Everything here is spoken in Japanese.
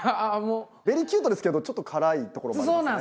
ベリーキュートですけどちょっと辛いところもありますね。